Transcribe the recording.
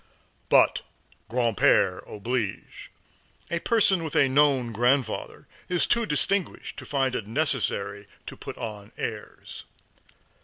But grand père oblige; a person with a known grandfather is too distinguished to find it necessary to put on airs.